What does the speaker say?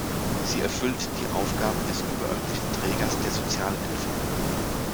Sie erfüllt die Aufgaben des überörtlichen Trägers der Sozialhilfe.